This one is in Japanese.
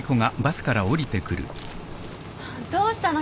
どうしたの？